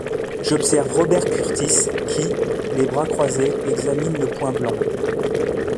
J’observe Robert Kurtis, qui, les bras croisés, examine le point blanc.